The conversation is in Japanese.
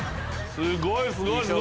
すごいすごい。